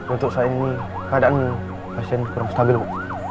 untuk saat ini keadaan pasien kurang stabil bu